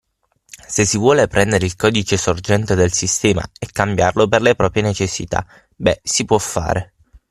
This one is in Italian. Se si vuole prendere il codice sorgente del sistema e cambiarlo per le proprie necessità, beh, si può fare.